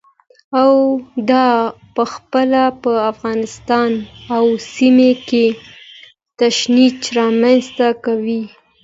او دا پخپله په افغانستان او سیمه کې تشنج رامنځته کوي.